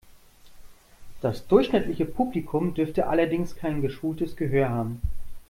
Das durchschnittliche Publikum dürfte allerdings kein geschultes Gehör haben.